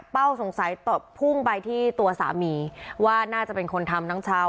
สงสัยตบพุ่งไปที่ตัวสามีว่าน่าจะเป็นคนทำน้องเช้า